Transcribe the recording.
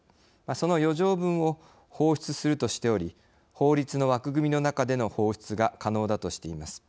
その余剰分を放出するとしており法律の枠組みの中での放出が可能だとしています。